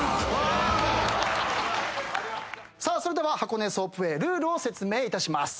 それでは箱根ソープウェイルールを説明いたします。